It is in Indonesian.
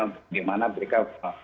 untuk bagaimana mereka